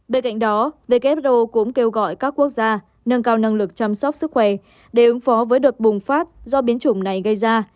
bên cạnh đó who cũng kêu gọi các quốc gia nâng cao năng lực chăm sóc sức khỏe để ứng phó với đợt bùng phát do biến chủng này gây ra